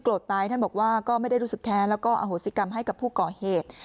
ท่านบอกว่าก็ไม่ได้รู้สึกแค้นแล้วก็อโหสิกรรมให้กับผู้ก่อเหตุ